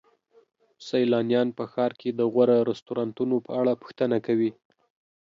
سیلانیان په ښار کې د غوره رستورانتونو په اړه پوښتنه کوي.